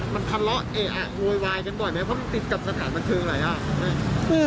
มันคำลองเจอโวะวายกันบ่อยมั้ยเพราะว่ามันติดกับสถานบันเทิงอะไรอ่ะ